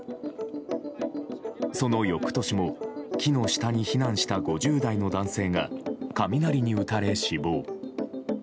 その翌年も、木の下に避難した５０代の男性が雷に打たれ死亡。